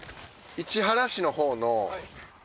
市原市のほうの。